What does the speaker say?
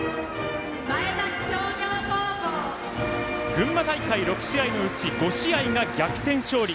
群馬大会６試合のうち５試合が逆転勝利。